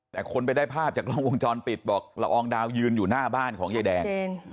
แต่คนไปได้ภาพจากกล้องวงจรปิดบอกละอองดาวยืนอยู่หน้าบ้านของยายแดง